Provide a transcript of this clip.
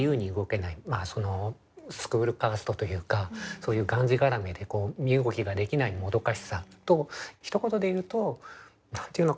まあそのスクールカーストというかそういうがんじがらめで身動きができないもどかしさとひと言で言うと何て言うのかな